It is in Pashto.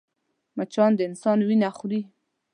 مچان د انسان وينه خوري